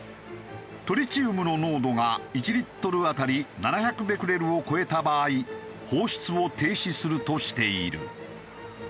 トリチウムの濃度が１リットル当たり７００ベクレルを超えた場合放出を停止するとしている。